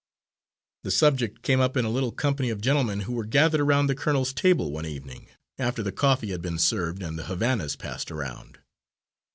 The subject came up in a little company of gentlemen who were gathered around the colonel's table one evening, after the coffee had been served, and the Havanas passed around.